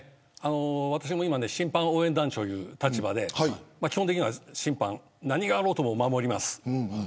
私も今審判応援団長という立場で基本的に審判何があろうと守ります。